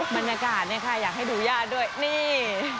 บรรยากาศเนี่ยค่ะอยากให้ดูญาติด้วยนี่